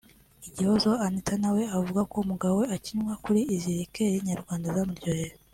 Igihozo Anita na we avuga ko umugabo we akinywa kuri izi likeri Nyarwanda zamuryoheye